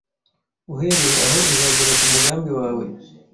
uhereye aho uzagera ku mugambi wawe